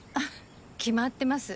決まってます。